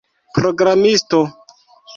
programisto